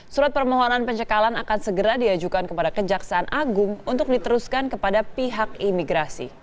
surat permohonan pencekalan akan segera diajukan kepada kejaksaan agung untuk diteruskan kepada pihak imigrasi